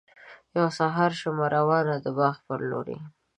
یو سهار شومه روان د باغ پر لوري.